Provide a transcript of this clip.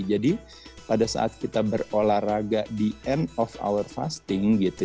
jadi pada saat kita berolahraga di end of our fasting gitu